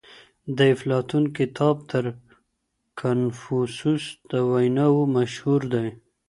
د افلاطون کتاب تر کنفوسوس د ويناوو مشهور دی.